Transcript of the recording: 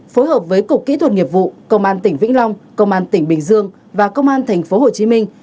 phối hợp với cục kỹ thuật nghiệp vụ công an tỉnh vĩnh long công an tỉnh bình dương và công an thành phố hồ chí minh